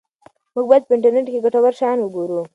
موږ باید په انټرنیټ کې ګټور شیان وګورو.